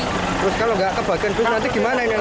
terus kalau nggak kebagian bus nanti gimana ini